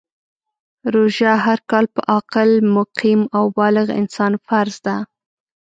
روژه هر کال په عاقل ، مقیم او بالغ انسان فرض ده .